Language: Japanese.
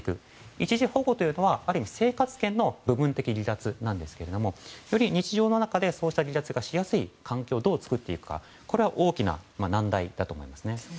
一時保護は生活圏の部分的離脱ですがより日常の中でそうした離脱がしやすい環境を作っていくことがこれは大きな難題だと思いますね。